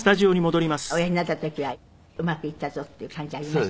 おやりになった時はうまくいったぞっていう感じありました？